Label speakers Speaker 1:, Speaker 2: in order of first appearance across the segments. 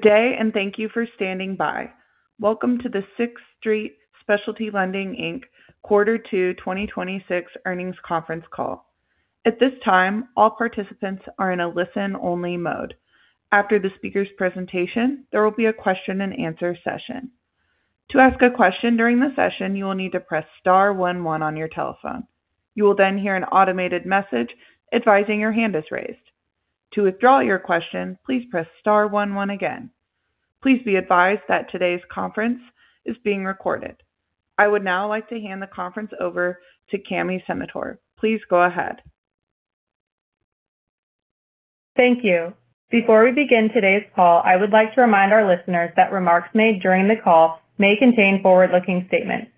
Speaker 1: Day. Thank you for standing by. Welcome to the Sixth Street Specialty Lending Inc. quarter two 2026 earnings conference call. At this time, all participants are in a listen-only mode. After the speaker's presentation, there will be a question and answer session. To ask a question during the session, you will need to press star one one on your telephone. You will hear an automated message advising your hand is raised. To withdraw your question, please press star one one again. Please be advised that today's conference is being recorded. I would now like to hand the conference over to Cami Senatore. Please go ahead.
Speaker 2: Thank you. Before we begin today's call, I would like to remind our listeners that remarks made during the call may contain forward-looking statements.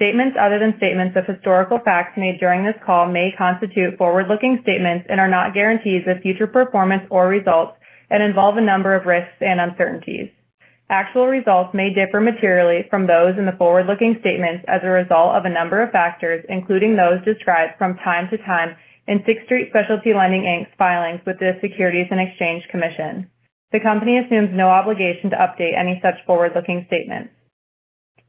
Speaker 2: Statements other than statements of historical facts made during this call may constitute forward-looking statements and are not guarantees of future performance or results and involve a number of risks and uncertainties. Actual results may differ materially from those in the forward-looking statements as a result of a number of factors, including those described from time to time in Sixth Street Specialty Lending Inc.'s filings with the Securities and Exchange Commission. The company assumes no obligation to update any such forward-looking statements.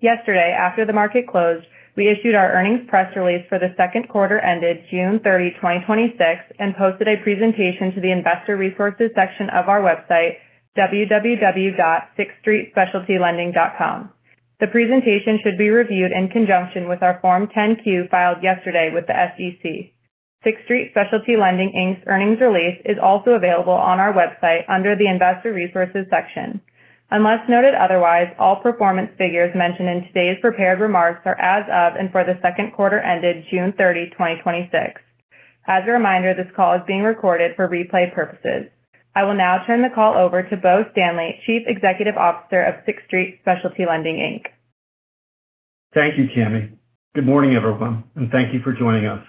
Speaker 2: Yesterday, after the market closed, we issued our earnings press release for the second quarter ended June 30, 2026, and posted a presentation to the investor resources section of our website, www.sixthstreetspecialtylending.com. The presentation should be reviewed in conjunction with our Form 10-Q filed yesterday with the SEC. Sixth Street Specialty Lending Inc.'s earnings release is also available on our website under the investor resources section. Unless noted otherwise, all performance figures mentioned in today's prepared remarks are as of and for the second quarter ended June 30, 2026. As a reminder, this call is being recorded for replay purposes. I will now turn the call over to Bo Stanley, Chief Executive Officer of Sixth Street Specialty Lending Inc.
Speaker 3: Thank you, Cami. Good morning, everyone. Thank you for joining us.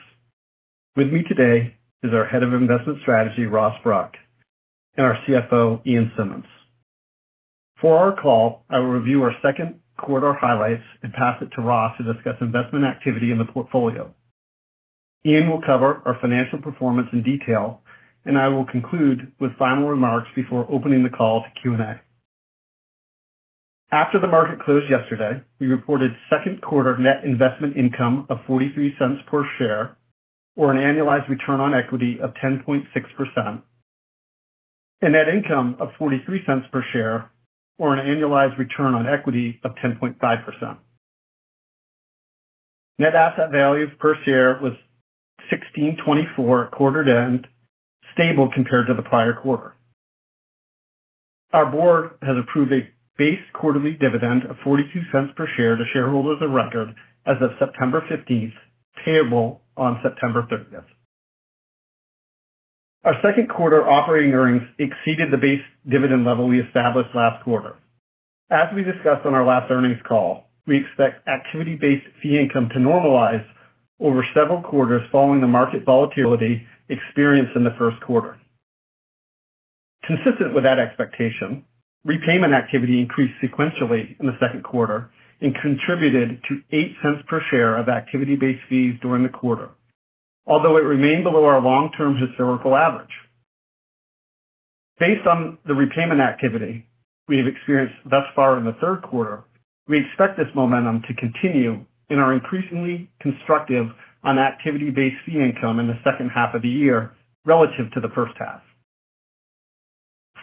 Speaker 3: With me today is our Head of Investment Strategy, Ross Bruck, and our CFO, Ian Simmonds. For our call, I will review our second quarter highlights and pass it to Ross to discuss investment activity in the portfolio. Ian will cover our financial performance in detail. I will conclude with final remarks before opening the call to Q&A. After the market closed yesterday, we reported second quarter net investment income of $0.43 per share, or an annualized return on equity of 10.6%, and net income of $0.43 per share, or an annualized return on equity of 10.5%. Net asset value per share was $16.24 quarter-end, stable compared to the prior quarter. Our board has approved a base quarterly dividend of $0.42 per share to shareholders of record as of September 15th, payable on September 30th. Our second quarter operating earnings exceeded the base dividend level we established last quarter. As we discussed on our last earnings call, we expect activity-based fee income to normalize over several quarters following the market volatility experienced in the first quarter. Consistent with that expectation, repayment activity increased sequentially in the second quarter and contributed to $0.08 per share of activity-based fees during the quarter. Although it remained below our long-term historical average. Based on the repayment activity we have experienced thus far in the third quarter, we expect this momentum to continue in our increasingly constructive on activity-based fee income in the second half of the year relative to the first half.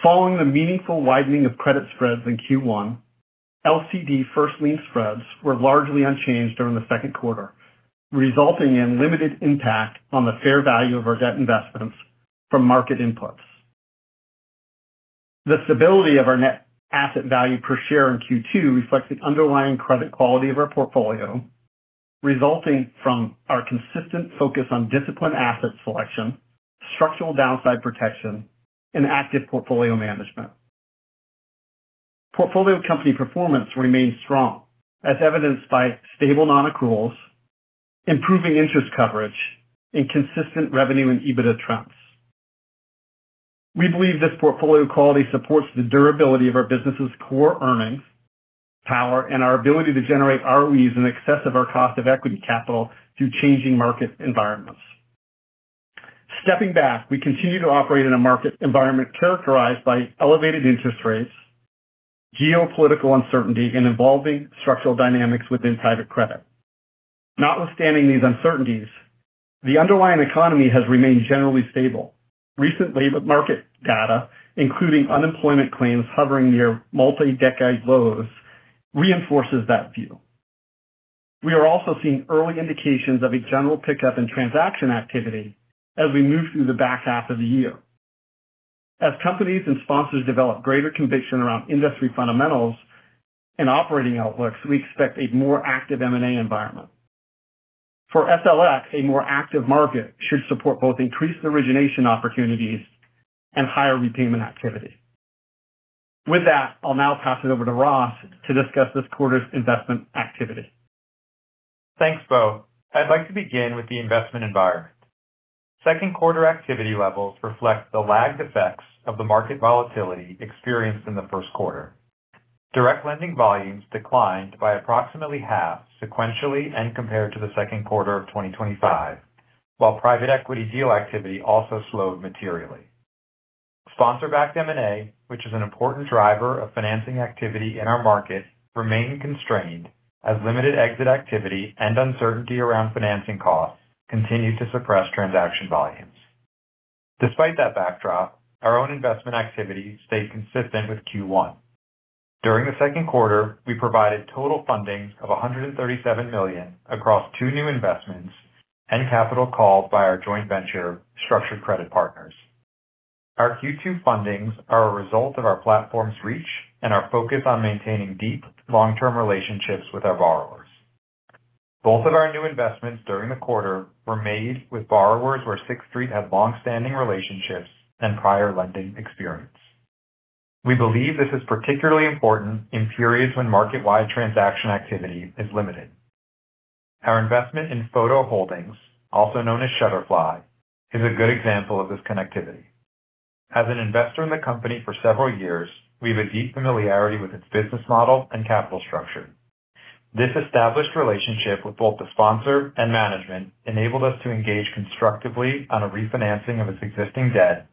Speaker 3: Following the meaningful widening of credit spreads in Q1, LCD first lien spreads were largely unchanged during the second quarter, resulting in limited impact on the fair value of our debt investments from market inputs. The stability of our net asset value per share in Q2 reflects the underlying credit quality of our portfolio, resulting from our consistent focus on disciplined asset selection, structural downside protection, and active portfolio management. Portfolio company performance remains strong, as evidenced by stable non-accruals, improving interest coverage, and consistent revenue and EBITDA trends. We believe this portfolio quality supports the durability of our business' core earnings power and our ability to generate ROEs in excess of our cost of equity capital through changing market environments. Stepping back, we continue to operate in a market environment characterized by elevated interest rates, geopolitical uncertainty, and evolving structural dynamics within private credit. Notwithstanding these uncertainties, the underlying economy has remained generally stable. Recent labor market data, including unemployment claims hovering near multi-decade lows, reinforces that view. We are also seeing early indications of a general pickup in transaction activity as we move through the back half of the year. As companies and sponsors develop greater conviction around industry fundamentals and operating outlooks, we expect a more active M&A environment. For TSLX, a more active market should support both increased origination opportunities and higher repayment activity. With that, I'll now pass it over to Ross to discuss this quarter's investment activity.
Speaker 4: Thanks, Bo. I'd like to begin with the investment environment. Second quarter activity levels reflect the lagged effects of the market volatility experienced in the first quarter Direct lending volumes declined by approximately half sequentially and compared to the second quarter of 2025, while private equity deal activity also slowed materially. Sponsor-backed M&A, which is an important driver of financing activity in our market, remained constrained as limited exit activity and uncertainty around financing costs continued to suppress transaction volumes. Despite that backdrop, our own investment activity stayed consistent with Q1. During the second quarter, we provided total funding of $137 million across two new investments and capital called by our joint venture Structured Credit Partners. Our Q2 fundings are a result of our platform's reach and our focus on maintaining deep, long-term relationships with our borrowers. Both of our new investments during the quarter were made with borrowers where Sixth Street had longstanding relationships and prior lending experience. We believe this is particularly important in periods when market-wide transaction activity is limited. Our investment in Photo Holdings, also known as Shutterfly, is a good example of this connectivity. As an investor in the company for several years, we have a deep familiarity with its business model and capital structure. This established relationship with both the sponsor and management enabled us to engage constructively on a refinancing of its existing debt,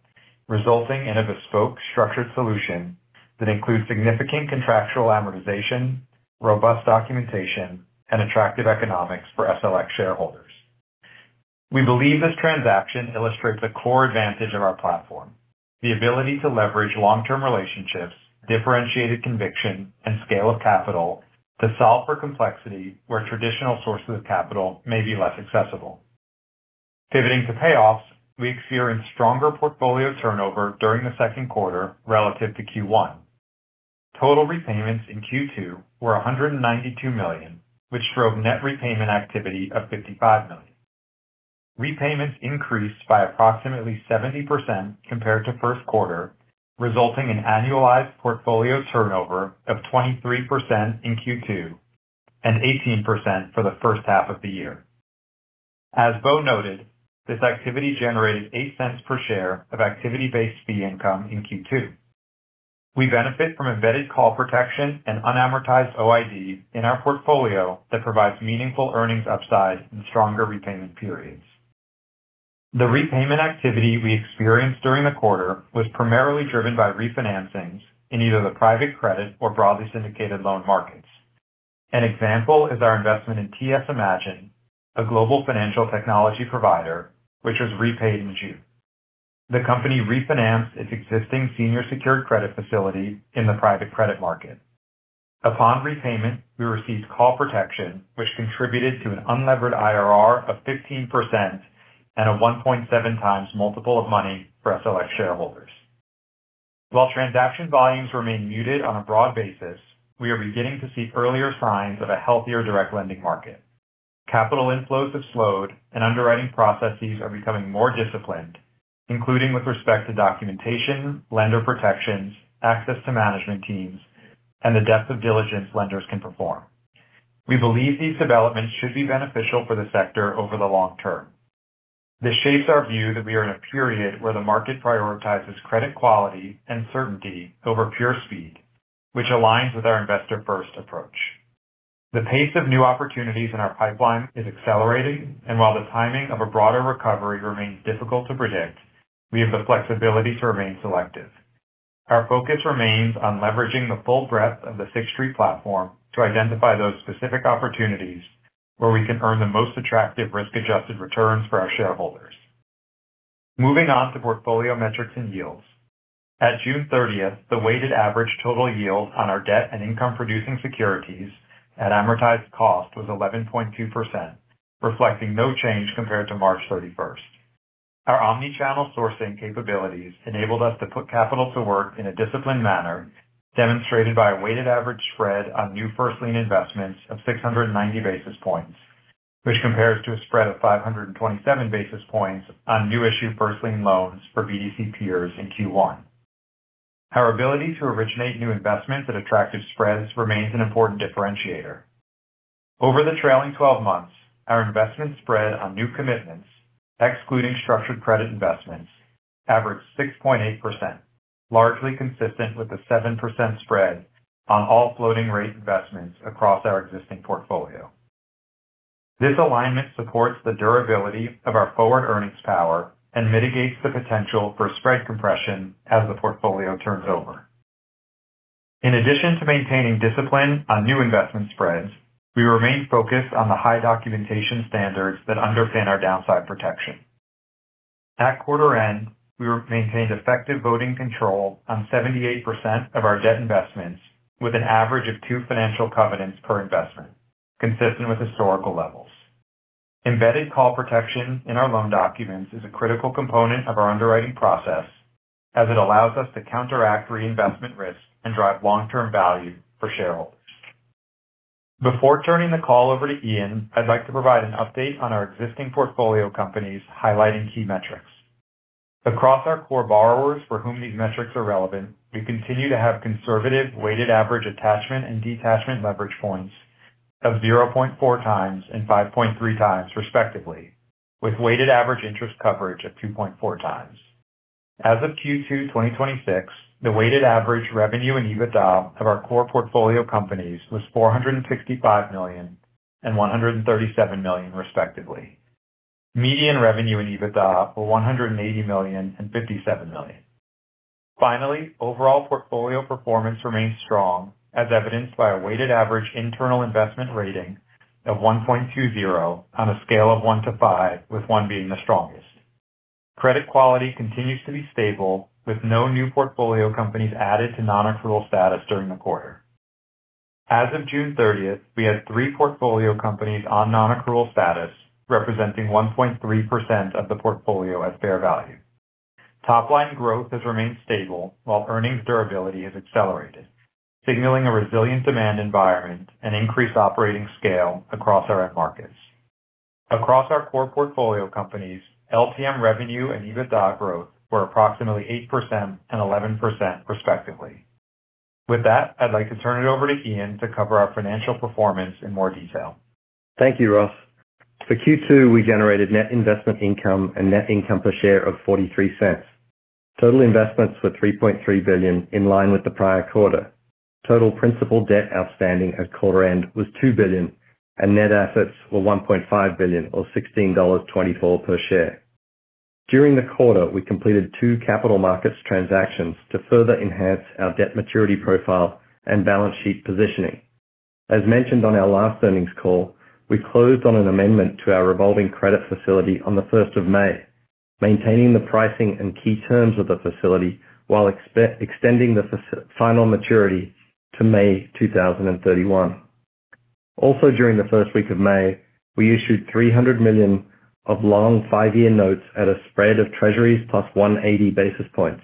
Speaker 4: resulting in a bespoke structured solution that includes significant contractual amortization, robust documentation, and attractive economics for SLX shareholders. We believe this transaction illustrates the core advantage of our platform, the ability to leverage long-term relationships, differentiated conviction, and scale of capital to solve for complexity where traditional sources of capital may be less accessible. Pivoting to payoffs, we experienced stronger portfolio turnover during the second quarter relative to Q1. Total repayments in Q2 were $192 million, which drove net repayment activity of $55 million. Repayments increased by approximately 70% compared to the first quarter, resulting in annualized portfolio turnover of 23% in Q2 and 18% for the first half of the year. As Bo noted, this activity generated $0.08 per share of activity-based fee income in Q2. We benefit from embedded call protection and unamortized OIDs in our portfolio that provides meaningful earnings upside and stronger repayment periods. The repayment activity we experienced during the quarter was primarily driven by refinancings in either the private credit or broadly syndicated loan markets. An example is our investment in TS Imagine, a global financial technology provider which was repaid in June. The company refinanced its existing senior secured credit facility in the private credit market. Upon repayment, we received call protection which contributed to an unlevered IRR of 15% and a 1.7x multiple of money for SLX shareholders. While transaction volumes remain muted on a broad basis, we are beginning to see earlier signs of a healthier direct lending market. Capital inflows have slowed and underwriting processes are becoming more disciplined, including with respect to documentation, lender protections, access to management teams, and the depth of diligence lenders can perform. We believe these developments should be beneficial for the sector over the long term. This shapes our view that we are in a period where the market prioritizes credit quality and certainty over pure speed, which aligns with our investor-first approach. The pace of new opportunities in our pipeline is accelerating, and while the timing of a broader recovery remains difficult to predict, we have the flexibility to remain selective. Our focus remains on leveraging the full breadth of the Sixth Street platform to identify those specific opportunities where we can earn the most attractive risk-adjusted returns for our shareholders. Moving on to portfolio metrics and yields. At June 30th, the weighted average total yield on our debt and income-producing securities at amortized cost was 11.2%, reflecting no change compared to March 31st. Our omni-channel sourcing capabilities enabled us to put capital to work in a disciplined manner, demonstrated by a weighted average spread on new first lien investments of 690 basis points, which compares to a spread of 527 basis points on new issue first lien loans for BDC peers in Q1. Our ability to originate new investments at attractive spreads remains an important differentiator. Over the trailing 12 months, our investment spread on new commitments, excluding structured credit investments, averaged 6.8%, largely consistent with the 7% spread on all floating rate investments across our existing portfolio. This alignment supports the durability of our forward earnings power and mitigates the potential for spread compression as the portfolio turns over. In addition to maintaining discipline on new investment spreads, we remain focused on the high documentation standards that underpin our downside protection. At quarter end, we maintained effective voting control on 78% of our debt investments, with an average of two financial covenants per investment, consistent with historical levels. Embedded call protection in our loan documents is a critical component of our underwriting process as it allows us to counteract reinvestment risk and drive long-term value for shareholders. Before turning the call over to Ian, I'd like to provide an update on our existing portfolio companies highlighting key metrics. Across our core borrowers for whom these metrics are relevant, we continue to have conservative weighted average attachment and detachment leverage points of 0.4x and 5.3x respectively, with weighted average interest coverage of 2.4x. As of Q2 2026, the weighted average revenue and EBITDA of our core portfolio companies was $465 million and $137 million respectively. Median revenue and EBITDA were $180 million and $57 million. Finally, overall portfolio performance remains strong, as evidenced by a weighted average internal investment rating of 1.20 on a scale of one to five, with one being the strongest. Credit quality continues to be stable, with no new portfolio companies added to non-accrual status during the quarter. As of June 30th, we had three portfolio companies on non-accrual status, representing 1.3% of the portfolio as fair value. Top-line growth has remained stable while earnings durability has accelerated, signaling a resilient demand environment and increased operating scale across our end markets. Across our core portfolio companies, LTM revenue and EBITDA growth were approximately 8% and 11% respectively. With that, I'd like to turn it over to Ian to cover our financial performance in more detail.
Speaker 5: Thank you, Ross. For Q2, we generated net investment income and net income per share of $0.43. Total investments were $3.3 billion, in line with the prior quarter. Total principal debt outstanding at quarter end was $2 billion, and net assets were $1.5 billion, or $16.24 per share. During the quarter, we completed two capital markets transactions to further enhance our debt maturity profile and balance sheet positioning. As mentioned on our last earnings call, we closed on an amendment to our revolving credit facility on the first of May, maintaining the pricing and key terms of the facility while extending the final maturity to May 2031. Also during the first week of May, we issued $300 million of long five-year notes at a spread of Treasuries plus 180 basis points,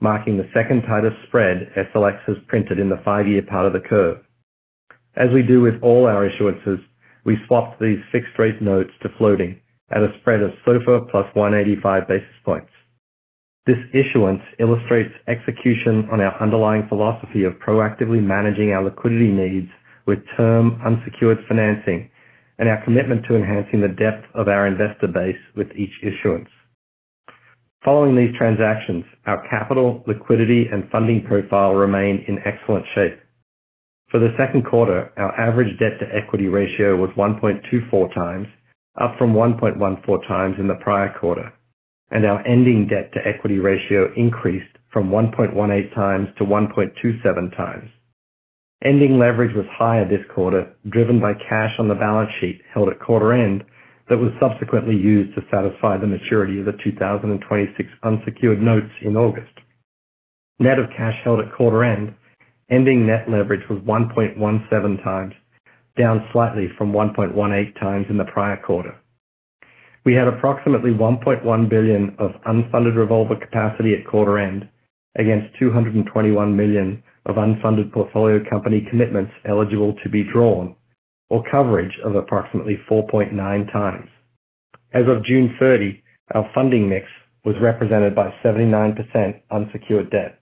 Speaker 5: marking the second tightest spread TSLX has printed in the five-year part of the curve. As we do with all our issuances, we swapped these fixed-rate notes to floating at a spread of SOFR plus 185 basis points. This issuance illustrates execution on our underlying philosophy of proactively managing our liquidity needs with term unsecured financing and our commitment to enhancing the depth of our investor base with each issuance. Following these transactions, our capital, liquidity, and funding profile remain in excellent shape. For the second quarter, our average debt-to-equity ratio was 1.24x, up from 1.14x in the prior quarter, and our ending debt-to-equity ratio increased from 1.18x to 1.27x. Ending leverage was higher this quarter, driven by cash on the balance sheet held at quarter end that was subsequently used to satisfy the maturity of the 2026 unsecured notes in August. Net of cash held at quarter end, ending net leverage was 1.17x, down slightly from 1.18x in the prior quarter. We had approximately $1.1 billion of unfunded revolver capacity at quarter end against $221 million of unfunded portfolio company commitments eligible to be drawn, or coverage of approximately 4.9x. As of June 30, our funding mix was represented by 79% unsecured debt.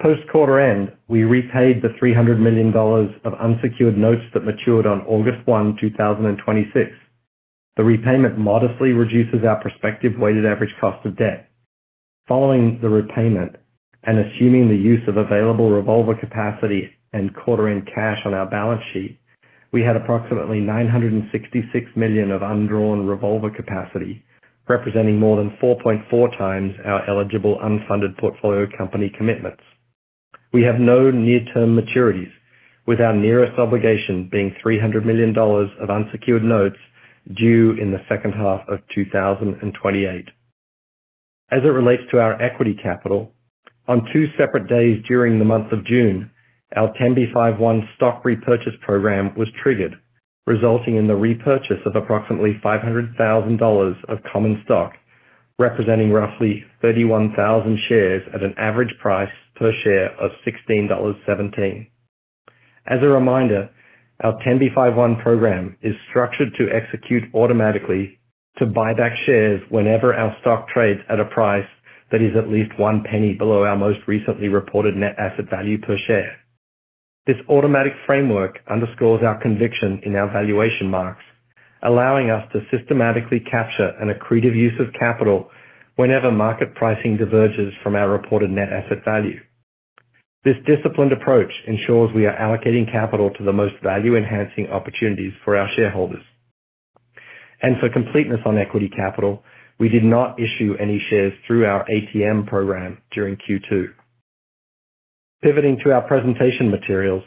Speaker 5: Post quarter end, we repaid the $300 million of unsecured notes that matured on August 1, 2026. The repayment modestly reduces our prospective weighted average cost of debt. Following the repayment, and assuming the use of available revolver capacity and quarter-end cash on our balance sheet, we had approximately $966 million of undrawn revolver capacity, representing more than 4.4x our eligible unfunded portfolio company commitments. We have no near-term maturities, with our nearest obligation being $300 million of unsecured notes due in the second half of 2028. As it relates to our equity capital, on two separate days during the month of June, our Rule 10b5-1 stock repurchase program was triggered, resulting in the repurchase of approximately $500,000 of common stock, representing roughly 31,000 shares at an average price per share of $16.17. As a reminder, our Rule 10b5-1 program is structured to execute automatically to buy back shares whenever our stock trades at a price that is at least one penny below our most recently reported net asset value per share. This automatic framework underscores our conviction in our valuation marks, allowing us to systematically capture an accretive use of capital whenever market pricing diverges from our reported net asset value. For completeness on equity capital, we did not issue any shares through our ATM program during Q2. Pivoting to our presentation materials,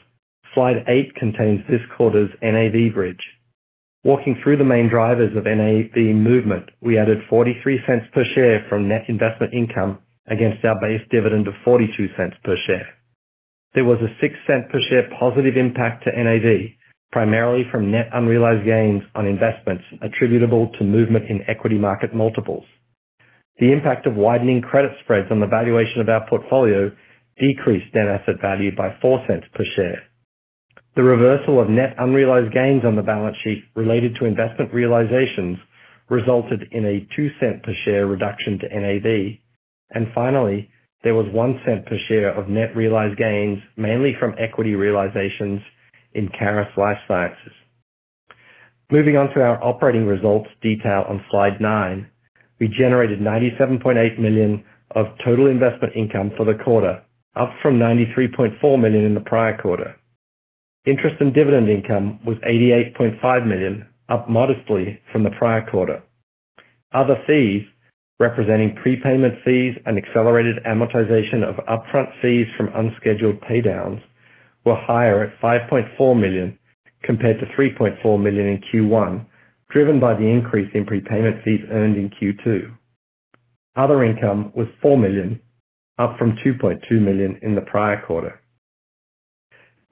Speaker 5: slide eight contains this quarter's NAV bridge. Walking through the main drivers of NAV movement, we added $0.43 per share from net investment income against our base dividend of $0.42 per share. There was a $0.06 per share positive impact to NAV, primarily from net unrealized gains on investments attributable to movement in equity market multiples. The impact of widening credit spreads on the valuation of our portfolio decreased net asset value by $0.04 per share. The reversal of net unrealized gains on the balance sheet related to investment realizations resulted in a $0.02 per share reduction to NAV. Finally, there was $0.01 per share of net realized gains, mainly from equity realizations in Caris Life Sciences. Moving on to our operating results detail on slide nine. We generated $97.8 million of total investment income for the quarter, up from $93.4 million in the prior quarter. Interest in dividend income was $88.5 million, up modestly from the prior quarter. Other fees, representing prepayment fees and accelerated amortization of upfront fees from unscheduled pay-downs, were higher at $5.4 million compared to $3.4 million in Q1, driven by the increase in prepayment fees earned in Q2. Other income was $4 million, up from $2.2 million in the prior quarter.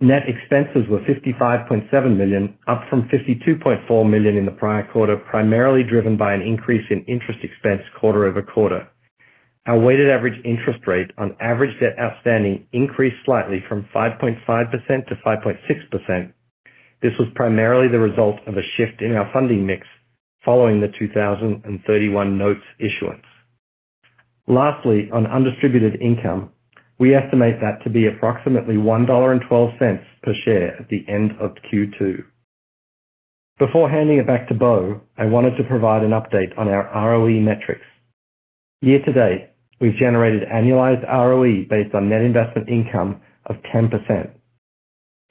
Speaker 5: Net expenses were $55.7 million, up from $52.4 million in the prior quarter, primarily driven by an increase in interest expense quarter-over-quarter. Our weighted average interest rate on average debt outstanding increased slightly from 5.5% to 5.6%. This was primarily the result of a shift in our funding mix following the 2031 notes issuance. Lastly, on undistributed income, we estimate that to be approximately $1.12 per share at the end of Q2. Before handing it back to Bo, I wanted to provide an update on our ROE metrics. Year-to-date, we've generated annualized ROE based on net investment income of 10%.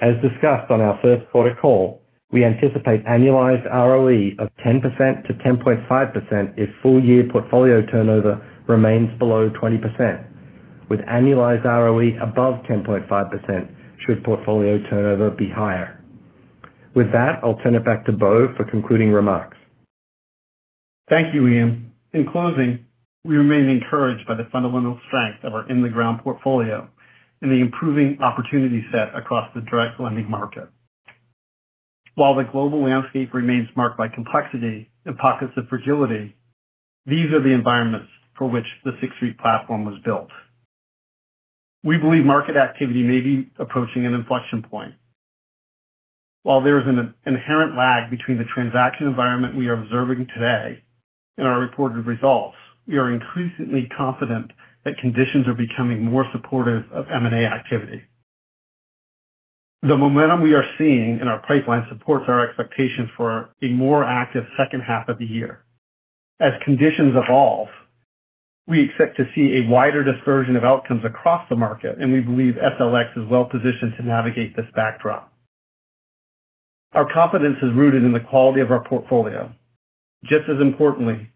Speaker 5: As discussed on our first quarter call, we anticipate annualized ROE of 10%-10.5% if full-year portfolio turnover remains below 20%, with annualized ROE above 10.5% should portfolio turnover be higher. With that, I'll turn it back to Bo for concluding remarks.
Speaker 3: Thank you, Ian. In closing, we remain encouraged by the fundamental strength of our in-the-ground portfolio and the improving opportunity set across the direct lending market. While the global landscape remains marked by complexity and pockets of fragility, these are the environments for which the Sixth Street platform was built. We believe market activity may be approaching an inflection point. While there is an inherent lag between the transaction environment we are observing today and our reported results, we are increasingly confident that conditions are becoming more supportive of M&A activity. The momentum we are seeing in our pipeline supports our expectation for a more active second half of the year. As conditions evolve, we expect to see a wider dispersion of outcomes across the market. We believe SLX is well positioned to navigate this backdrop. Our confidence is rooted in the quality of our portfolio. Just as importantly,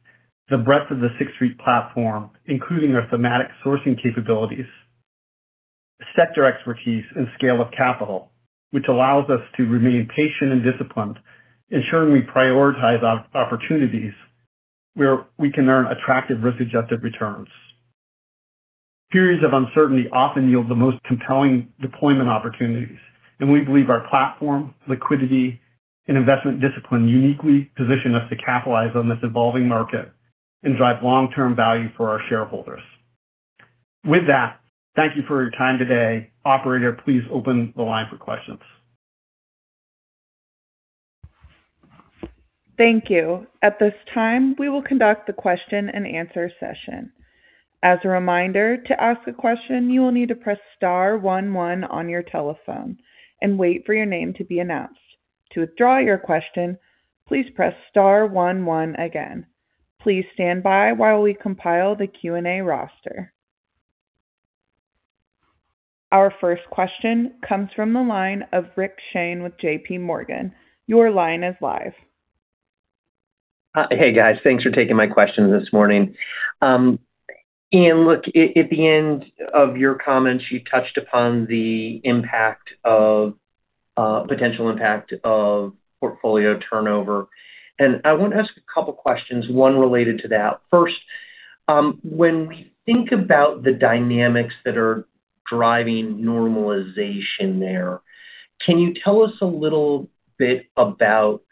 Speaker 3: the breadth of the Sixth Street platform, including our thematic sourcing capabilities, sector expertise, and scale of capital, which allows us to remain patient and disciplined, ensuring we prioritize opportunities where we can earn attractive risk-adjusted returns. Periods of uncertainty often yield the most compelling deployment opportunities, and we believe our platform, liquidity, and investment discipline uniquely position us to capitalize on this evolving market and drive long-term value for our shareholders. With that, thank you for your time today. Operator, please open the line for questions.
Speaker 1: Thank you. At this time, we will conduct the question and answer session. As a reminder, to ask a question, you will need to press star one one on your telephone and wait for your name to be announced. To withdraw your question, please press star one one again. Please stand by while we compile the Q&A roster. Our first question comes from the line of Rick Shane with JPMorgan. Your line is live.
Speaker 6: Hi. Hey, guys. Thanks for taking my questions this morning. Ian, look, at the end of your comments, you touched upon the potential impact of portfolio turnover. I want to ask a couple questions, one related to that. First, when we think about the dynamics that are driving normalization there, can you tell us a little bit about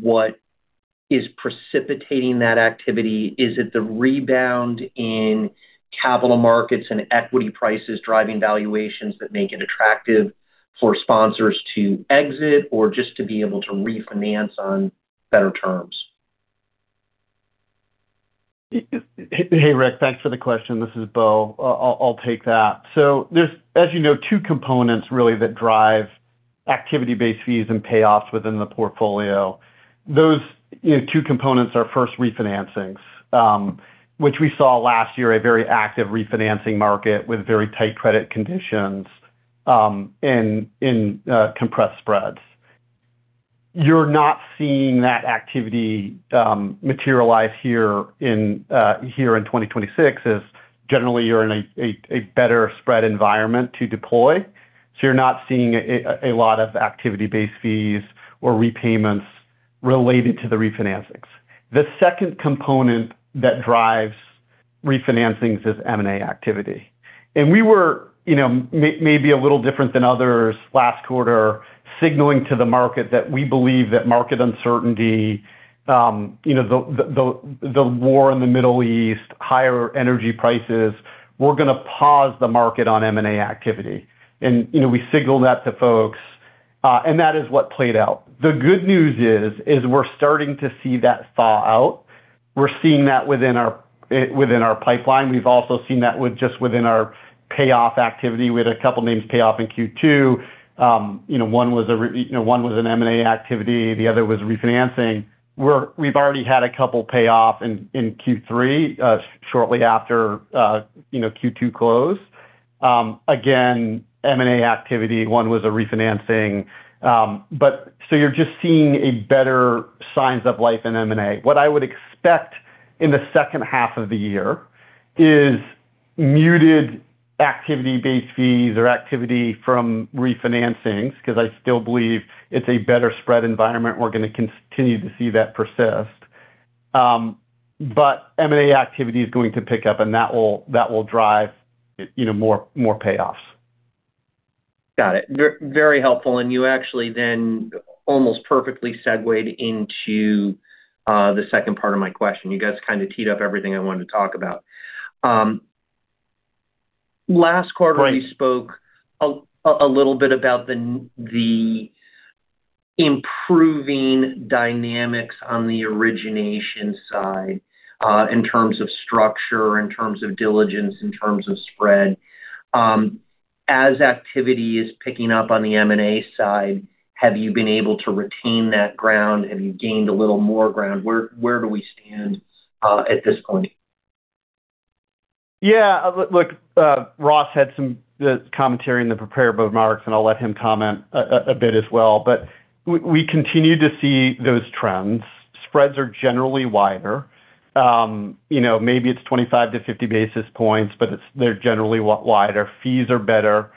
Speaker 6: what is precipitating that activity? Is it the rebound in capital markets and equity prices driving valuations that make it attractive for sponsors to exit or just to be able to refinance on better terms?
Speaker 3: Hey, Rick. Thanks for the question. This is Bo. I'll take that. There's, as you know, two components really that drive activity-based fees and payoffs within the portfolio. Those two components are, first, refinancings, which we saw last year a very active refinancing market with very tight credit conditions, and compressed spreads. You're not seeing that activity materialize here in 2026, as generally you're in a better spread environment to deploy. You're not seeing a lot of activity-based fees or repayments related to the refinancings. The second component that drives refinancings is M&A activity. We were maybe a little different than others last quarter, signaling to the market that we believe that market uncertainty, the war in the Middle East, higher energy prices, we're going to pause the market on M&A activity. We signaled that to folks, and that is what played out. The good news is, we're starting to see that thaw out. We're seeing that within our pipeline. We've also seen that with just within our payoff activity. We had a couple names pay off in Q2. One was an M&A activity, the other was refinancing. We've already had a couple pay off in Q3, shortly after Q2 close. Again, M&A activity. One was a refinancing. You're just seeing a better signs of life in M&A. What I would expect in the second half of the year is muted activity-based fees or activity from refinancings, because I still believe it's a better spread environment, and we're going to continue to see that persist. M&A activity is going to pick up and that will drive more payoffs.
Speaker 6: Got it. Very helpful. You actually then almost perfectly segued into the second part of my question. You guys kind of teed up everything I wanted to talk about. Last quarter
Speaker 3: Right
Speaker 6: we spoke a little bit about the improving dynamics on the origination side, in terms of structure, in terms of diligence, in terms of spread. As activity is picking up on the M&A side, have you been able to retain that ground? Have you gained a little more ground? Where do we stand at this point?
Speaker 3: Yeah. Look, Ross had some commentary in the prepared remarks, I'll let him comment a bit as well. We continue to see those trends. Spreads are generally wider. Maybe it's 25 to 50 basis points, but they're generally wider. Fees are better.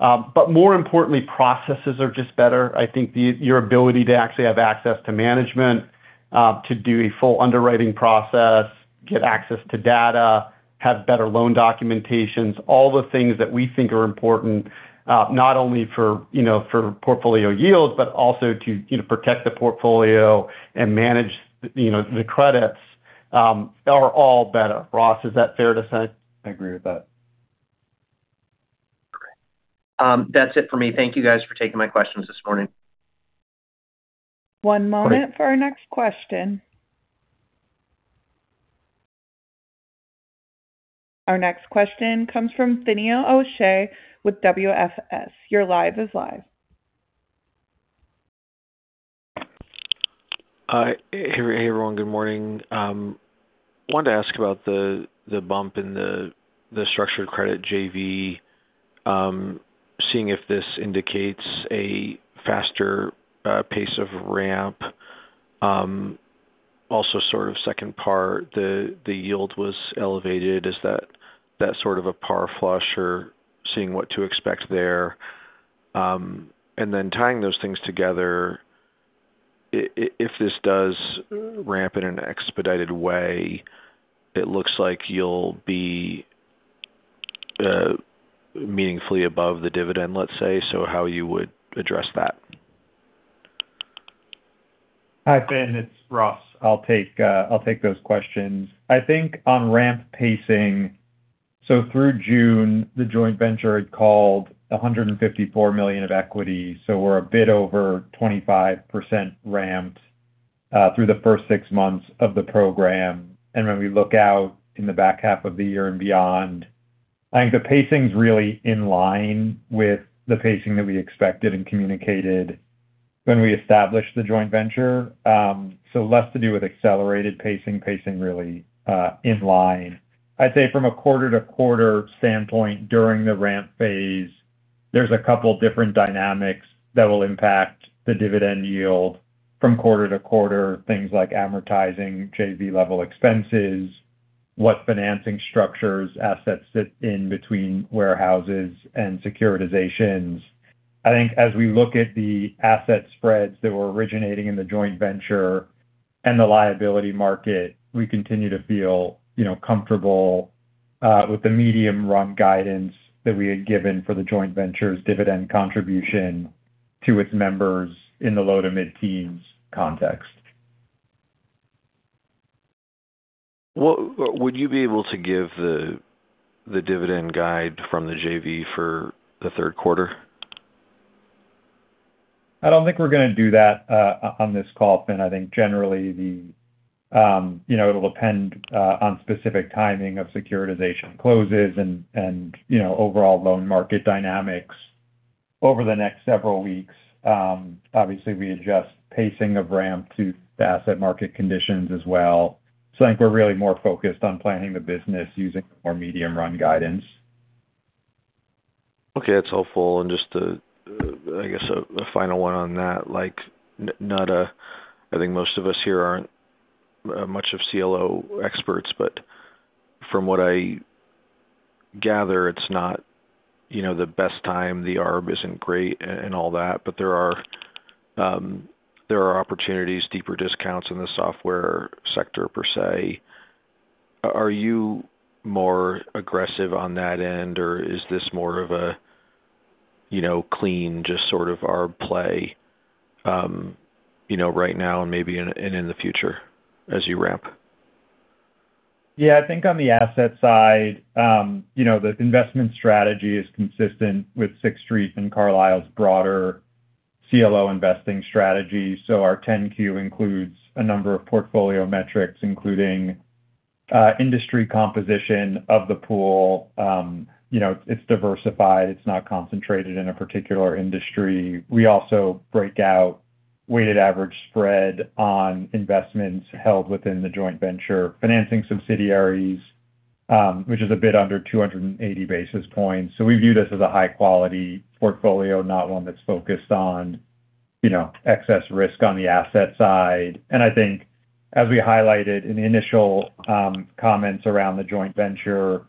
Speaker 3: More importantly, processes are just better. I think your ability to actually have access to management to do a full underwriting process, get access to data, have better loan documentations, all the things that we think are important, not only for portfolio yield, but also to protect the portfolio and manage the credits, are all better. Ross, is that fair to say?
Speaker 4: I agree with that.
Speaker 6: Great. That's it for me. Thank you guys for taking my questions this morning.
Speaker 1: One moment for our next question. Our next question comes from Finian O'Shea with WFS. You're live.
Speaker 7: Hi. Hey, everyone. Good morning. Wanted to ask about the bump in the structured credit JV, seeing if this indicates a faster pace of ramp. Sort of second part, the yield was elevated. Is that sort of a par flush or seeing what to expect there? Tying those things together, if this does ramp in an expedited way, it looks like you'll be meaningfully above the dividend, let's say. How you would address that?
Speaker 4: Hi, Fin, it's Ross. I'll take those questions. I think on ramp pacing, through June, the joint venture had called 154 million of equity. We're a bit over 25% ramped through the first six months of the program. When we look out in the back half of the year and beyond, I think the pacing's really in line with the pacing that we expected and communicated when we established the joint venture. Less to do with accelerated pacing really in line. I'd say from a quarter-to-quarter standpoint during the ramp phase, there's a couple different dynamics that will impact the dividend yield from quarter-to-quarter. Things like amortizing JV-level expenses, what financing structures assets sit in between warehouses and securitizations. I think as we look at the asset spreads that we're originating in the joint venture and the liability market, we continue to feel comfortable with the medium run guidance that we had given for the joint venture's dividend contribution to its members in the low to mid-teens context.
Speaker 7: Would you be able to give the dividend guide from the JV for the third quarter?
Speaker 4: I don't think we're going to do that on this call, Fin. I think generally it'll depend on specific timing of securitization closes and overall loan market dynamics over the next several weeks. Obviously, we adjust pacing of ramp to the asset market conditions as well. I think we're really more focused on planning the business using more medium run guidance.
Speaker 7: Okay. That's helpful. Just I guess a final one on that. I think most of us here aren't much of CLO experts, but from what I gather, it's not the best time. The ARB isn't great and all that, but there are opportunities, deeper discounts in the software sector, per se. Are you more aggressive on that end, or is this more of a clean just sort of ARB play right now and maybe in the future as you ramp?
Speaker 4: Yeah. I think on the asset side, the investment strategy is consistent with Sixth Street and Carlyle's broader CLO investing strategy. Our 10-Q includes a number of portfolio metrics, including industry composition of the pool. It's diversified, it's not concentrated in a particular industry. We also break out weighted average spread on investments held within the joint venture financing subsidiaries, which is a bit under 280 basis points. We view this as a high-quality portfolio, not one that's focused on excess risk on the asset side. I think as we highlighted in the initial comments around the joint venture,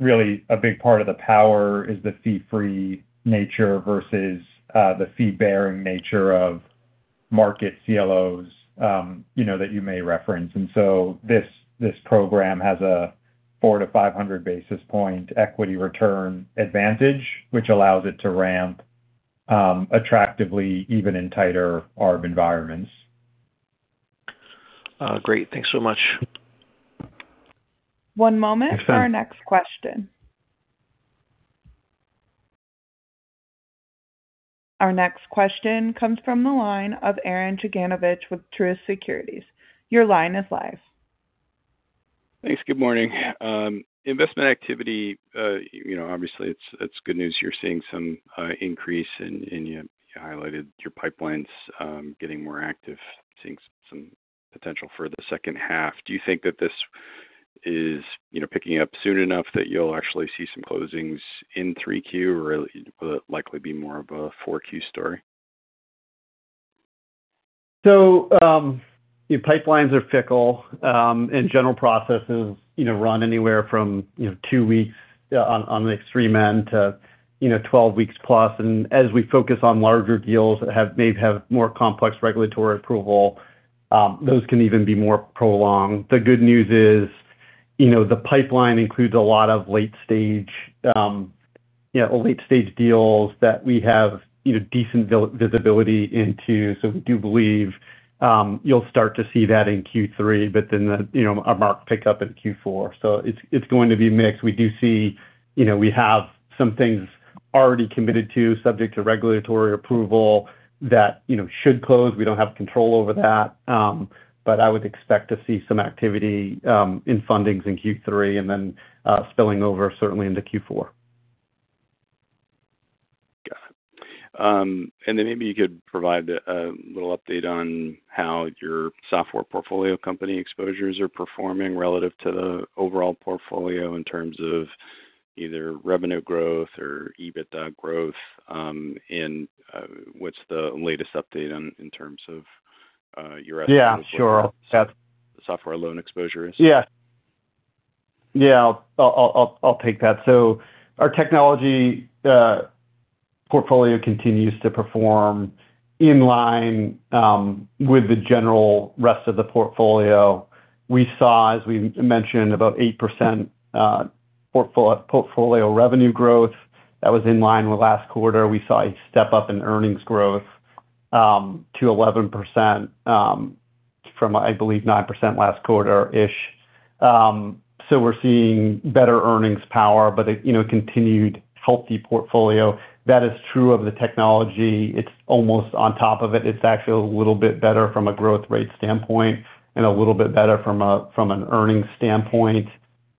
Speaker 4: really a big part of the power is the fee-free nature versus the fee-bearing nature of market CLOs that you may reference. This program has a 400 to 500 basis point equity return advantage, which allows it to ramp attractively, even in tighter ARB environments.
Speaker 7: Great. Thanks so much.
Speaker 1: One moment for our next question. Our next question comes from the line of Arren Cyganovich with Truist Securities. Your line is live.
Speaker 8: Thanks. Good morning. Investment activity, obviously it's good news you're seeing some increase, and you highlighted your pipelines getting more active, seeing some potential for the second half. Do you think that this is picking up soon enough that you'll actually see some closings in 3Q, or will it likely be more of a 4Q story?
Speaker 4: Pipelines are fickle, and general processes run anywhere from two weeks on the extreme end to 12+ weeks. As we focus on larger deals that may have more complex regulatory approval, those can even be more prolonged. The good news is the pipeline includes a lot of late stage deals that we have decent visibility into, so we do believe you'll start to see that in Q3, but then a marked pickup in Q4. It's going to be mixed. We do see we have some things already committed to, subject to regulatory approval that should close. We don't have control over that. I would expect to see some activity in fundings in Q3, and then spilling over certainly into Q4.
Speaker 8: Got it. Maybe you could provide a little update on how your software portfolio company exposures are performing relative to the overall portfolio in terms of either revenue growth or EBITDA growth, and what's the latest update in terms of your estimate?
Speaker 4: Yeah, sure.
Speaker 8: software loan exposures?
Speaker 4: Yeah. I'll take that. Our technology portfolio continues to perform in line with the general rest of the portfolio. We saw, as we mentioned, about 8% portfolio revenue growth that was in line with last quarter. We saw a step up in earnings growth to 11% from, I believe, 9% last quarter. We're seeing better earnings power, but a continued healthy portfolio. That is true of the technology. It's almost on top of it. It's actually a little bit better from a growth rate standpoint and a little bit better from an earnings standpoint.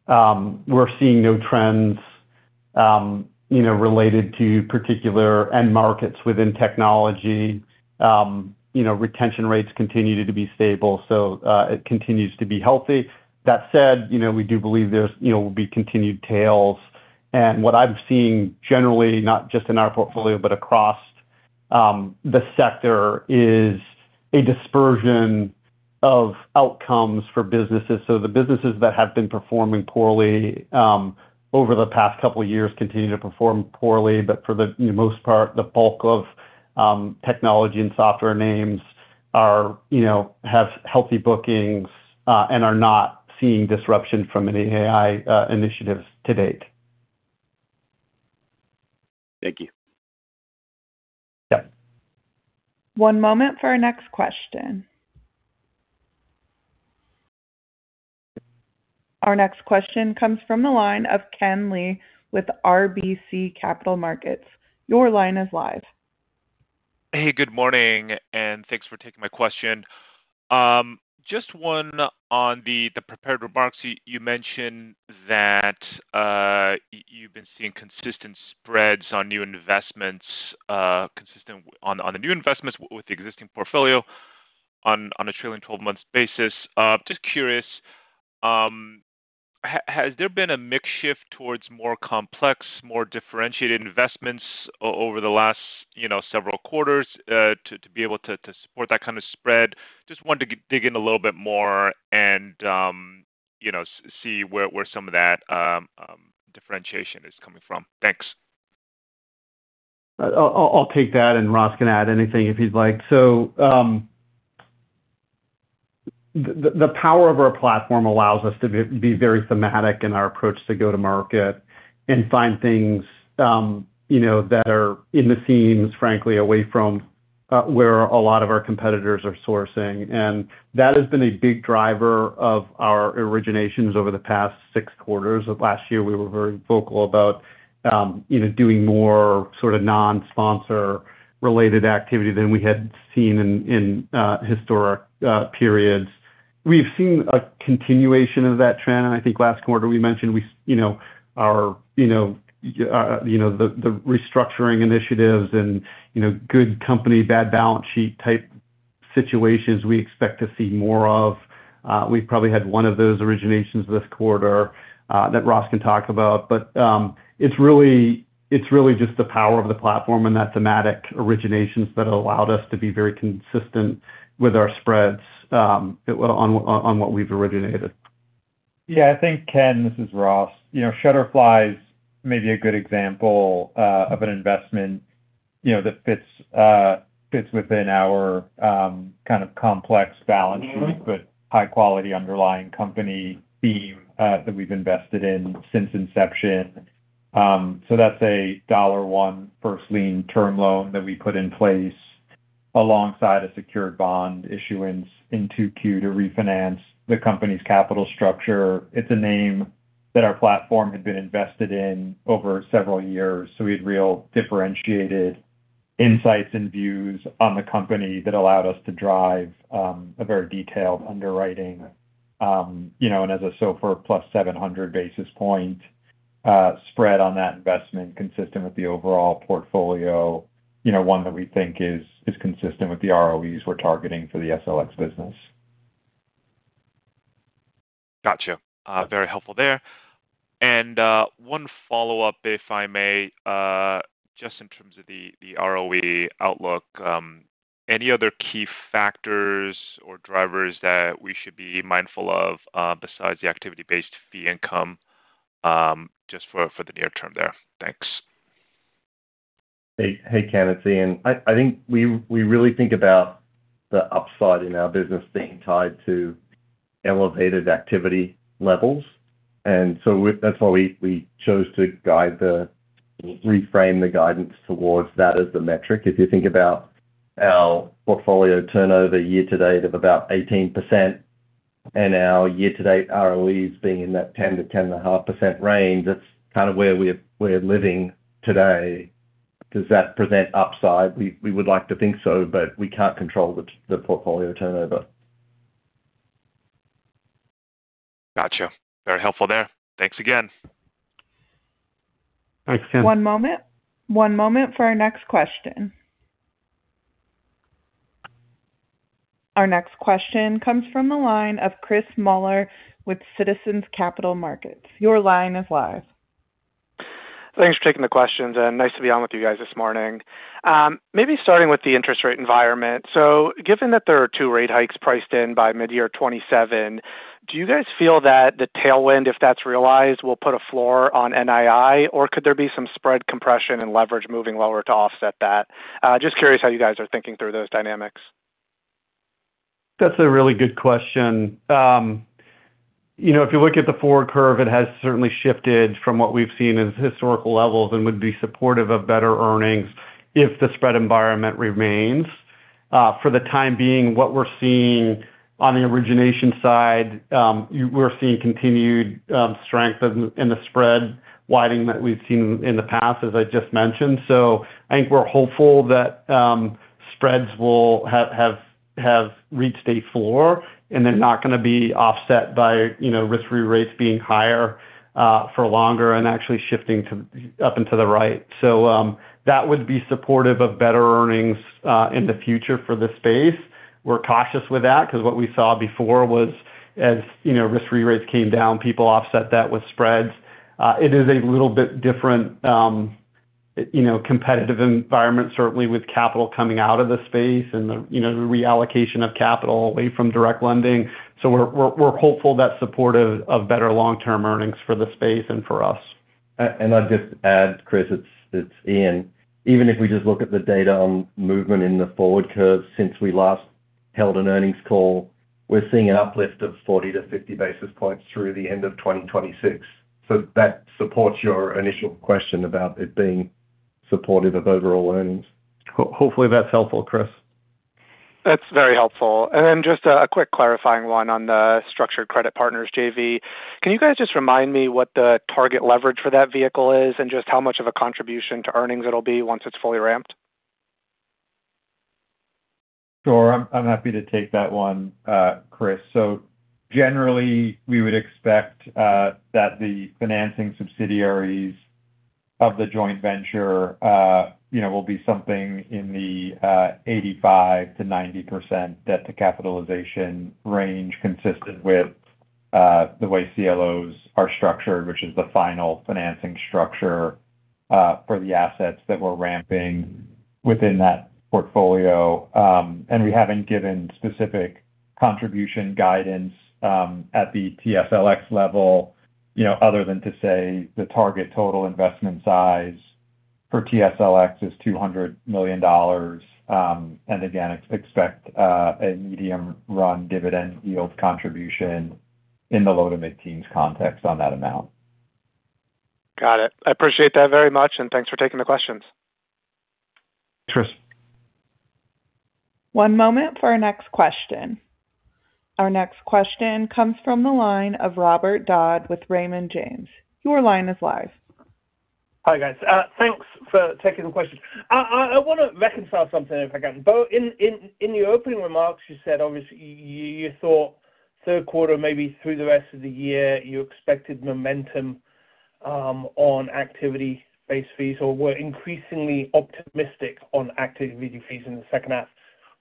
Speaker 4: We're seeing no trends related to particular end markets within technology. Retention rates continue to be stable, so it continues to be healthy. That said, we do believe there will be continued tails. What I'm seeing generally, not just in our portfolio but across the sector, is a dispersion of outcomes for businesses. The businesses that have been performing poorly over the past couple of years continue to perform poorly, but for the most part, the bulk of technology and software names have healthy bookings and are not seeing disruption from any AI initiatives to date.
Speaker 8: Thank you.
Speaker 4: Yeah.
Speaker 1: One moment for our next question. Our next question comes from the line of Ken Lee with RBC Capital Markets. Your line is live.
Speaker 9: Hey, good morning, and thanks for taking my question. Just one on the prepared remarks. You mentioned that you've been seeing consistent spreads on new investments, consistent on the new investments with the existing portfolio on a trailing 12 months basis. Just curious, has there been a mix shift towards more complex, more differentiated investments over the last several quarters to be able to support that kind of spread? Just wanted to dig in a little bit more and see where some of that differentiation is coming from. Thanks.
Speaker 3: I'll take that, and Ross can add anything if he'd like. The power of our platform allows us to be very thematic in our approach to go to market and find things that are in the seams, frankly, away from where a lot of our competitors are sourcing. That has been a big driver of our originations over the past six quarters. Last year, we were very vocal about doing more sort of non-sponsor related activity than we had seen in historic periods. We've seen a continuation of that trend, and I think last quarter we mentioned the restructuring initiatives and good company, bad balance sheet type situations we expect to see more of. We've probably had one of those originations this quarter that Ross can talk about. It's really just the power of the platform and that thematic originations that allowed us to be very consistent with our spreads on what we've originated.
Speaker 4: Ken, this is Ross. Shutterfly's maybe a good example of an investment that fits within our kind of complex balance sheet, but high quality underlying company theme that we've invested in since inception. That's a dollar one first lien term loan that we put in place alongside a secured bond issuance in 2Q to refinance the company's capital structure. It's a name that our platform had been invested in over several years, so we had real differentiated insights and views on the company that allowed us to drive a very detailed underwriting. As a SOFR +700 basis point spread on that investment consistent with the overall portfolio, one that we think is consistent with the ROEs we're targeting for the TSLX business.
Speaker 9: Got you. Very helpful there. One follow-up, if I may, just in terms of the ROE outlook. Any other key factors or drivers that we should be mindful of besides the activity-based fee income, just for the near term there? Thanks.
Speaker 5: Hey, Ken, it's Ian. I think we really think about the upside in our business being tied to elevated activity levels, and so that's why we chose to reframe the guidance towards that as the metric. If you think about our portfolio turnover year-to-date of about 18%, and our year-to-date ROEs being in that 10%-10.5% range, that's kind of where we're living today. Does that present upside? We would like to think so, but we can't control the portfolio turnover.
Speaker 9: Got you. Very helpful there. Thanks again.
Speaker 5: Thanks, Ken.
Speaker 1: One moment for our next question. Our next question comes from the line of Chris Muller with Citizens Capital Markets. Your line is live.
Speaker 10: Thanks for taking the questions, nice to be on with you guys this morning. Maybe starting with the interest rate environment. Given that there are two rate hikes priced in by mid-year 2027, do you guys feel that the tailwind, if that's realized, will put a floor on NII, or could there be some spread compression and leverage moving lower to offset that? Just curious how you guys are thinking through those dynamics.
Speaker 3: That's a really good question. If you look at the forward curve, it has certainly shifted from what we've seen as historical levels and would be supportive of better earnings if the spread environment remains. For the time being, what we're seeing on the origination side, we're seeing continued strength in the spread widening that we've seen in the past, as I just mentioned. I think we're hopeful that spreads will have reached a floor and they're not going to be offset by risk-free rates being higher for longer and actually shifting up and to the right. That would be supportive of better earnings in the future for this space. We're cautious with that because what we saw before was, as risk-free rates came down, people offset that with spreads. It is a little bit different competitive environment, certainly with capital coming out of the space and the reallocation of capital away from direct lending. We're hopeful that's supportive of better long-term earnings for the space and for us.
Speaker 5: I'd just add, Chris, it's Ian. Even if we just look at the data on movement in the forward curve since we last held an earnings call, we're seeing an uplift of 40 to 50 basis points through the end of 2026. That supports your initial question about it being supportive of overall earnings. Hopefully that's helpful, Chris.
Speaker 10: That's very helpful. Just a quick clarifying one on the Structured Credit Partners JV. Can you guys just remind me what the target leverage for that vehicle is and just how much of a contribution to earnings it'll be once it's fully ramped?
Speaker 4: Sure. I'm happy to take that one, Chris. Generally, we would expect that the financing subsidiaries of the joint venture will be something in the 85%-90% debt to capitalization range consistent with the way CLOs are structured, which is the final financing structure for the assets that we're ramping within that portfolio. We haven't given specific contribution guidance at the TSLX level, other than to say the target total investment size for TSLX is $200 million. Again, expect a medium run dividend yield contribution in the low to mid teens context on that amount.
Speaker 10: Got it. I appreciate that very much. Thanks for taking the questions.
Speaker 3: Chris.
Speaker 1: One moment for our next question. Our next question comes from the line of Robert Dodd with Raymond James. Your line is live.
Speaker 11: Hi, guys. Thanks for taking the questions. I want to reconcile something if I can. Bo, in your opening remarks, you said obviously you thought third quarter, maybe through the rest of the year, you expected momentum on activity-based fees or were increasingly optimistic on activity fees in the second half.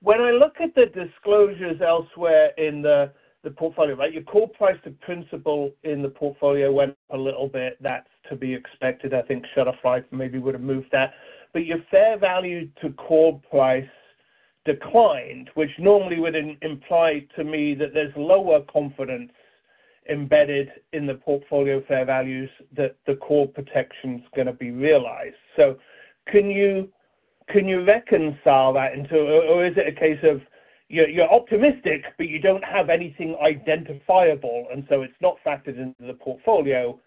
Speaker 11: When I look at the disclosures elsewhere in the portfolio, your call price to principal in the portfolio went a little bit. That's to be expected. I think Shutterfly maybe would've moved that. Your fair value to call price declined, which normally would imply to me that there's lower confidence embedded in the portfolio fair values that the call protection's going to be realized. Can you reconcile that into Is it a case of you're optimistic, but you don't have anything identifiable, it's not factored into the portfolio,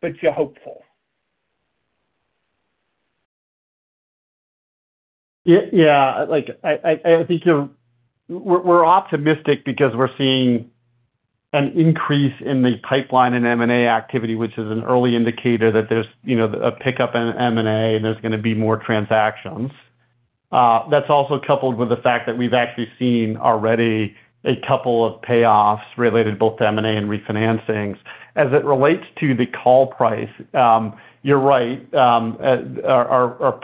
Speaker 11: but you're hopeful?
Speaker 3: Yeah. I think we're optimistic because we're seeing an increase in the pipeline in M&A activity, which is an early indicator that there's a pickup in M&A, there's going to be more transactions. That's also coupled with the fact that we've actually seen already a couple of payoffs related both to M&A and refinancings. As it relates to the call price, you're right. Our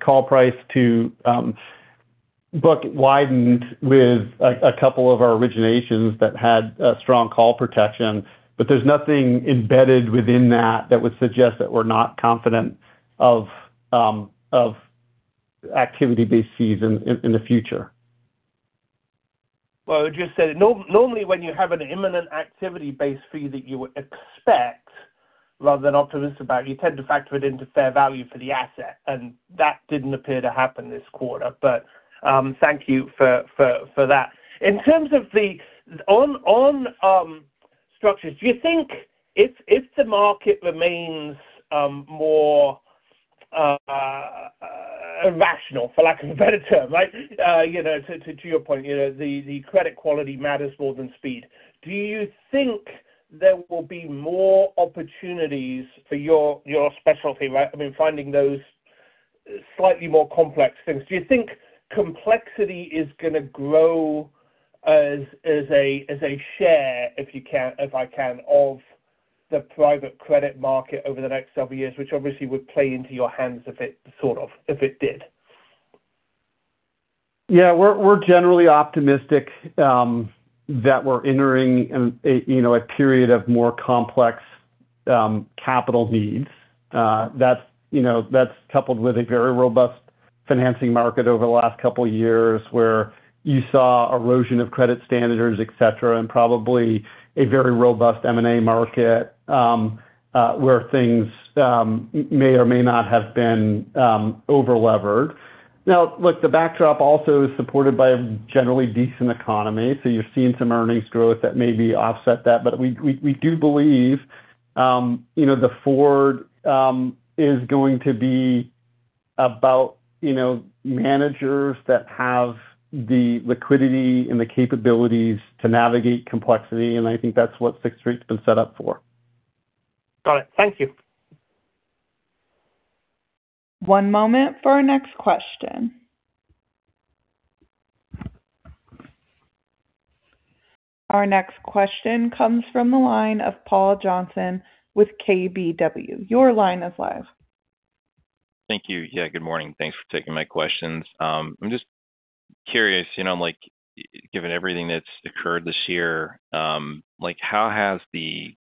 Speaker 3: call price to book widened with a couple of our originations that had strong call protection, there's nothing embedded within that would suggest that we're not confident of activity-based fees in the future.
Speaker 11: Well, I would just say normally when you have an imminent activity-based fee that you would expect rather than optimistic about, you tend to factor it into fair value for the asset, and that didn't appear to happen this quarter. Thank you for that. In terms of structures, do you think if the market remains more irrational, for lack of a better term, right? To your point, the credit quality matters more than speed. Do you think there will be more opportunities for your specialty, right? Finding those slightly more complex things. Do you think complexity is going to grow as a share, if I can, of the private credit market over the next several years, which obviously would play into your hands if it sort of did?
Speaker 3: Yeah, we're generally optimistic that we're entering a period of more complex capital needs. That's coupled with a very robust financing market over the last couple of years where you saw erosion of credit standards, et cetera, and probably a very robust M&A market, where things may or may not have been over-levered. Now, look, the backdrop also is supported by a generally decent economy. You're seeing some earnings growth that maybe offset that. We do believe the forward is going to be about managers that have the liquidity and the capabilities to navigate complexity, and I think that's what Sixth Street's been set up for.
Speaker 11: Got it. Thank you.
Speaker 1: One moment for our next question. Our next question comes from the line of Paul Johnson with KBW. Your line is live.
Speaker 12: Thank you. Good morning. Thanks for taking my questions. I am just curious, given everything that has occurred this year, how has the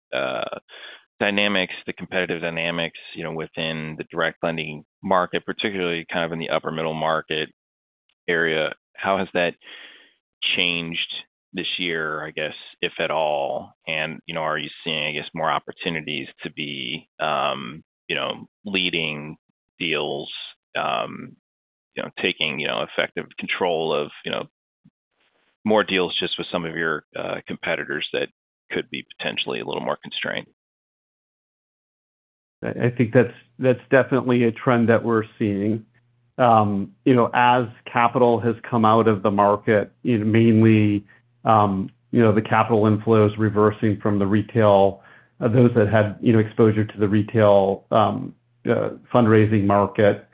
Speaker 12: competitive dynamics within the direct lending market, particularly in the upper middle market area, how has that changed this year, if at all? Are you seeing more opportunities to be leading deals, taking effective control of more deals just with some of your competitors that could be potentially a little more constrained?
Speaker 3: I think that is definitely a trend that we are seeing. As capital has come out of the market, mainly the capital inflows reversing from the retail of those that had exposure to the retail fundraising market.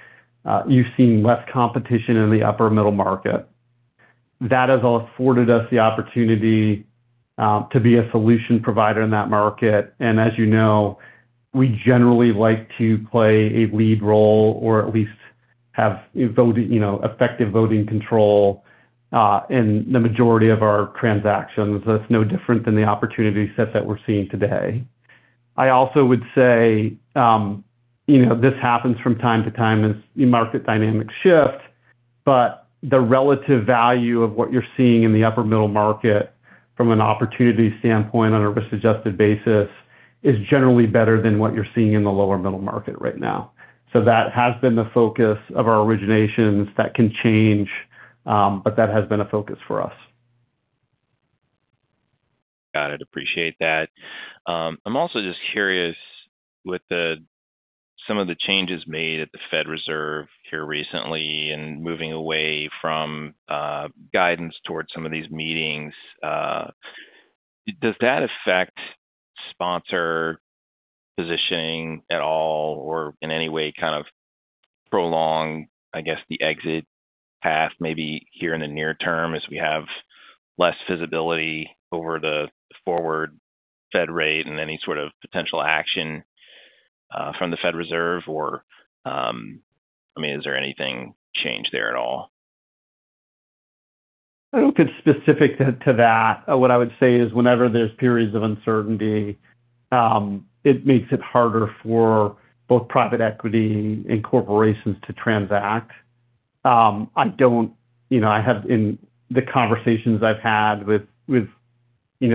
Speaker 3: You have seen less competition in the upper middle market. That has afforded us the opportunity to be a solution provider in that market. As you know, we generally like to play a lead role or at least have effective voting control in the majority of our transactions. That is no different than the opportunity set that we are seeing today. I also would say this happens from time to time as market dynamics shift, the relative value of what you are seeing in the upper middle market from an opportunity standpoint on a risk-adjusted basis is generally better than what you are seeing in the lower middle market right now. That has been the focus of our originations. That can change, but that has been a focus for us.
Speaker 12: Got it. Appreciate that. I am also just curious, with some of the changes made at the Fed Reserve here recently, moving away from guidance towards some of these meetings, does that affect sponsor positioning at all or in any way kind of prolong the exit path maybe here in the near term as we have less visibility over the forward Fed rate and any sort of potential action from the Fed Reserve? Is there anything changed there at all?
Speaker 3: I don't get specific to that. What I would say is whenever there's periods of uncertainty, it makes it harder for both private equity and corporations to transact. In the conversations I've had with those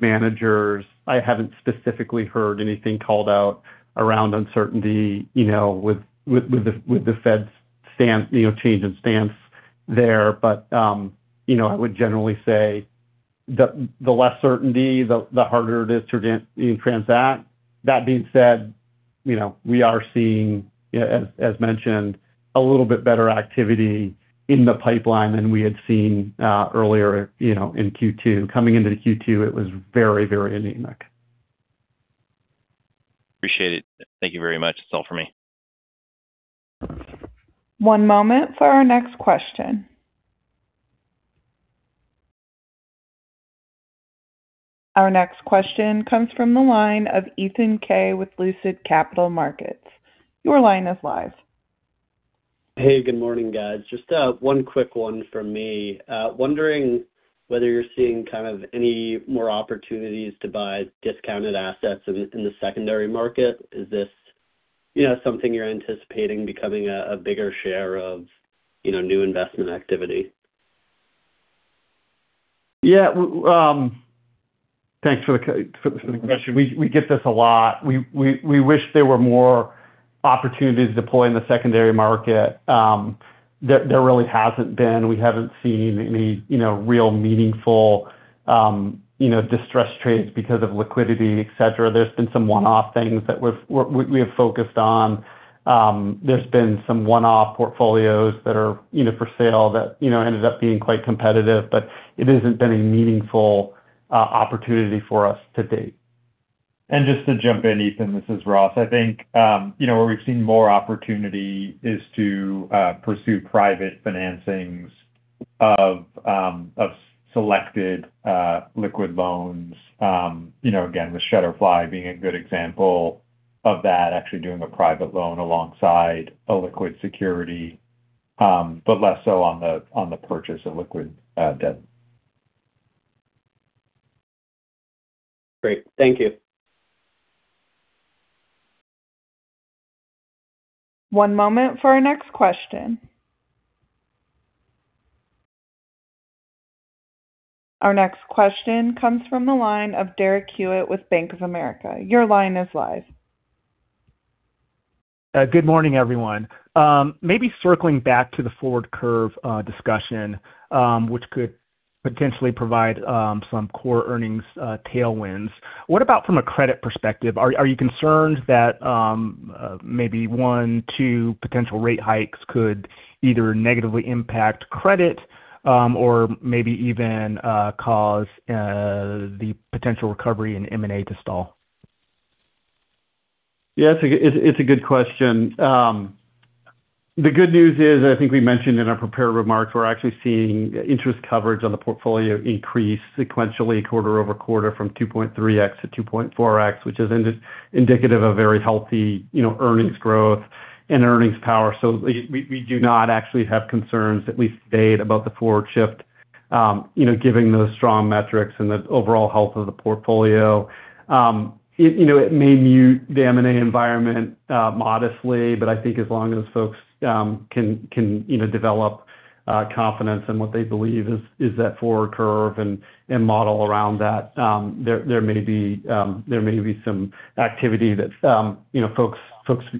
Speaker 3: managers, I haven't specifically heard anything called out around uncertainty, with the Fed's change in stance there. I would generally say the less certainty, the harder it is to transact. That being said, we are seeing, as mentioned, a little bit better activity in the pipeline than we had seen earlier, in Q2. Coming into the Q2, it was very enigmatic.
Speaker 12: Appreciate it. Thank you very much. That's all for me.
Speaker 1: One moment for our next question. Our next question comes from the line of Ethan Kaye with Lucid Capital Markets. Your line is live.
Speaker 13: Hey, good morning, guys. Just one quick one from me. Wondering whether you're seeing kind of any more opportunities to buy discounted assets in the secondary market. Is this something you're anticipating becoming a bigger share of new investment activity?
Speaker 3: Yeah. Thanks for the question. We get this a lot. We wish there were more opportunities to deploy in the secondary market. There really hasn't been. We haven't seen any real meaningful distressed trades because of liquidity, et cetera. There's been some one-off things that we have focused on. There's been some one-off portfolios that are for sale that ended up being quite competitive, but it hasn't been a meaningful opportunity for us to date.
Speaker 4: Just to jump in, Ethan, this is Ross. I think, where we've seen more opportunity is to pursue private financings of selected liquid loans. Again, with Shutterfly being a good example of that, actually doing a private loan alongside a liquid security, but less so on the purchase of liquid debt.
Speaker 13: Great. Thank you.
Speaker 1: One moment for our next question. Our next question comes from the line of Derek Hewett with Bank of America. Your line is live.
Speaker 14: Good morning, everyone. Maybe circling back to the forward curve discussion, which could potentially provide some core earnings tailwinds. What about from a credit perspective? Are you concerned that maybe one, two potential rate hikes could either negatively impact credit, or maybe even cause the potential recovery in M&A to stall?
Speaker 3: Yeah, it's a good question. The good news is, I think we mentioned in our prepared remarks, we're actually seeing interest coverage on the portfolio increase sequentially quarter-over-quarter from 2.3x-2.4x, which is indicative of very healthy earnings growth and earnings power. We do not actually have concerns, at least to date, about the forward shift, given those strong metrics and the overall health of the portfolio. It may mute the M&A environment modestly, I think as long as folks can develop confidence in what they believe is that forward curve and model around that, there may be some activity that folks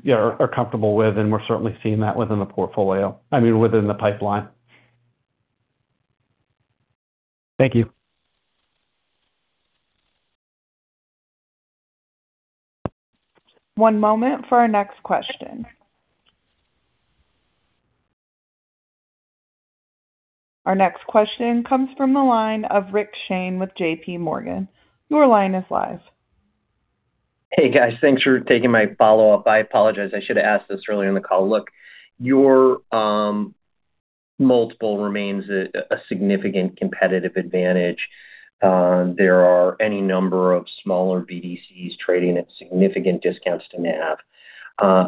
Speaker 3: are comfortable with, we're certainly seeing that within the pipeline.
Speaker 14: Thank you.
Speaker 1: One moment for our next question. Our next question comes from the line of Rick Shane with JPMorgan. Your line is live.
Speaker 6: Hey, guys. Thanks for taking my follow-up. I apologize, I should've asked this earlier in the call. Look, your multiple remains a significant competitive advantage. There are any number of smaller BDCs trading at significant discounts to NAV.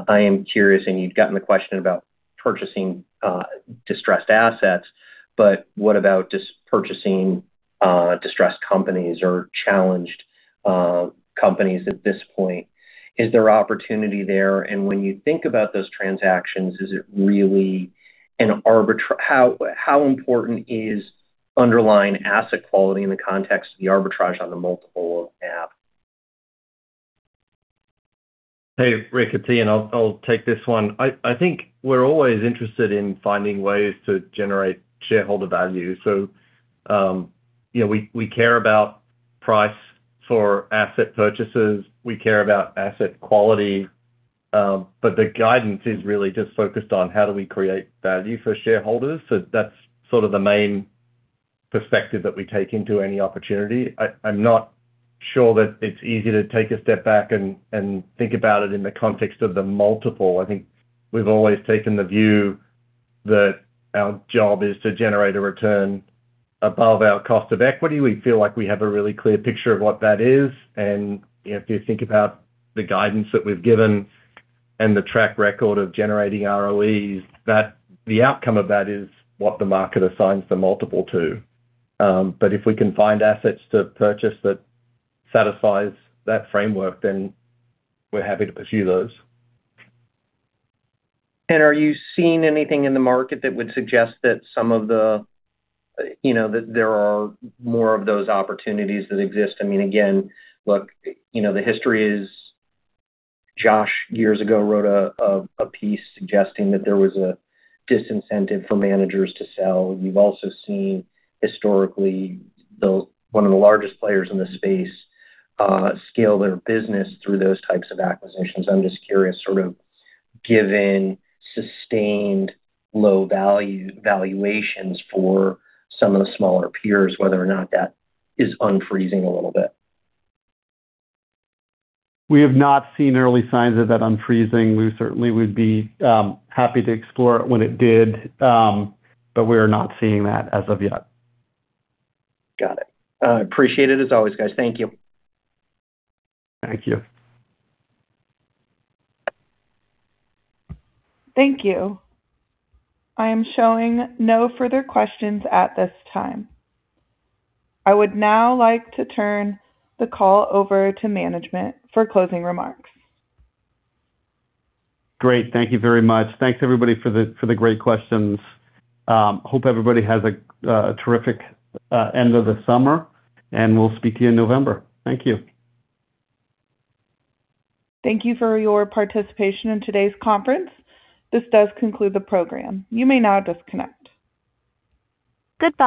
Speaker 6: I am curious, and you've gotten the question about purchasing distressed assets, but what about just purchasing distressed companies or challenged companies at this point? Is there opportunity there? When you think about those transactions, how important is underlying asset quality in the context of the arbitrage on the multiple of NAV?
Speaker 5: Hey, Rick it's Ian, I'll take this one. I think we're always interested in finding ways to generate shareholder value. We care about price for asset purchases, we care about asset quality. The guidance is really just focused on how do we create value for shareholders. That's sort of the main perspective that we take into any opportunity. I'm not sure that it's easy to take a step back and think about it in the context of the multiple. I think we've always taken the view that our job is to generate a return above our cost of equity. We feel like we have a really clear picture of what that is, if you think about the guidance that we've given and the track record of generating ROEs, the outcome of that is what the market assigns the multiple to. If we can find assets to purchase that satisfies that framework, then we're happy to pursue those.
Speaker 6: Are you seeing anything in the market that would suggest that there are more of those opportunities that exist? Again, look, the history is Josh, years ago, wrote a piece suggesting that there was a disincentive for managers to sell. We've also seen historically, one of the largest players in the space scale their business through those types of acquisitions. I'm just curious, sort of given sustained low valuations for some of the smaller peers, whether or not that is unfreezing a little bit.
Speaker 3: We have not seen early signs of that unfreezing. We certainly would be happy to explore it when it did. We are not seeing that as of yet.
Speaker 6: Got it. Appreciate it as always, guys. Thank you.
Speaker 3: Thank you.
Speaker 1: Thank you. I am showing no further questions at this time. I would now like to turn the call over to management for closing remarks.
Speaker 3: Great. Thank you very much. Thanks everybody for the great questions. Hope everybody has a terrific end of the summer, and we'll speak to you in November. Thank you.
Speaker 1: Thank you for your participation in today's conference. This does conclude the program. You may now disconnect.